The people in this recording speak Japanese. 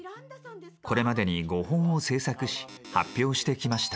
これまでに５本を制作し発表してきました。